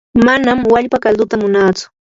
manam wallpa kalduta munaatsu.